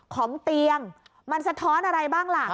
ของเตียงมันสะท้อนอะไรบ้างล่ะ